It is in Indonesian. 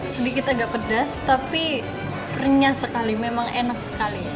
sedikit agak pedas tapi renyah sekali memang enak sekali